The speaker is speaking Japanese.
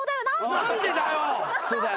何でだよ！